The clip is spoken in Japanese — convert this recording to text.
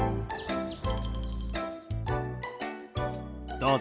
どうぞ。